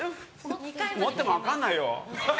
持っても分かんないよ。